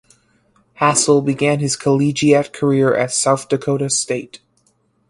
Hassell began his collegiate career at South Dakota State.